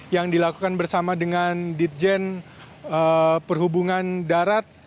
yang dilakukan bersama dengan ditjen perhubungan darat